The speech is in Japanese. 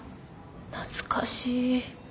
懐かしい。